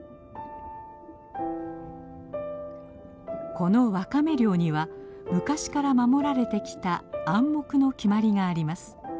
このワカメ漁には昔から守られてきた暗黙の決まりがあります。